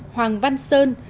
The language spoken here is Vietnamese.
năm hoàng văn sơn